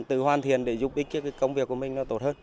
tự hoàn thiện để giúp ích công việc của mình nó tốt hơn